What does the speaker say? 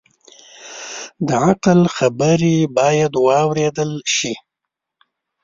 د عقل خبرې باید واورېدل شي